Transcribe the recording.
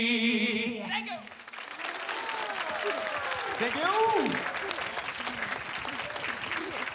サンキュー！